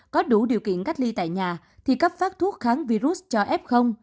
có đủ điều kiện cách ly tại nhà thì cấp phát thuốc kháng virus cho f